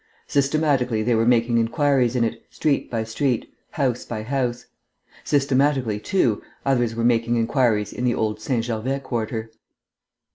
Systematically they were making inquiries in it, street by street, house by house. Systematically, too, others were making inquiries in the old St. Gervais quarter.